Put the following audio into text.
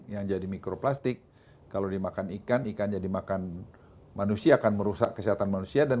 yang jadi mikroplastik kalau dimakan ikan ikannya dimakan manusia akan merusak kesehatan manusia dan